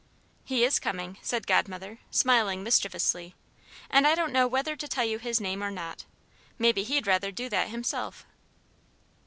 "He is coming," said Godmother, smiling mischievously, "and I don't know whether to tell you his name or not. Maybe he'd rather do that himself."